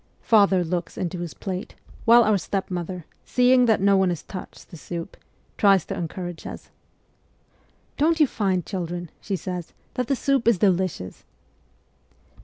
Father looks into his plate, while our stepmother, seeing that no one has touched the soup, tries to encourage us. ' Don't you find, children,' she says, ' that the soup is delicious